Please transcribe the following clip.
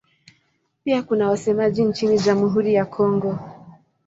Pia kuna wasemaji nchini Jamhuri ya Kongo.